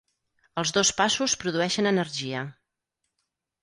Els dos passos produeixen energia.